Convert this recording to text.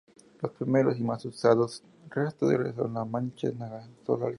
Los primeros y más usados rastreadores son las manchas solares.